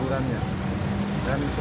libur panjang atau sedang ini